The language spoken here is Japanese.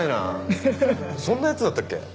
ふふふっそんなやつだったっけ？